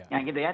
yang gitu ya